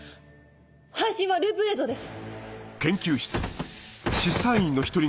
配信はループ映像です！